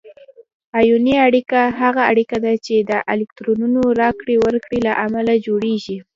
آیوني اړیکه هغه اړیکه ده چې د الکترونونو راکړې ورکړې له امله جوړیږي.